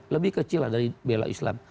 lebih kecil dari bela islam